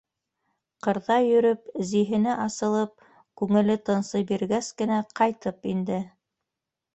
Ҡырҙа йөрөп, зиһене асылып, күңеле тынсый биргәс кенә ҡайтып инде.